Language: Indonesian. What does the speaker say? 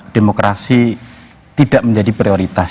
demokrasi tidak menjadi prioritas